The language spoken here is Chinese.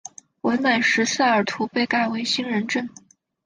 伪满时萨尔图被改为兴仁镇。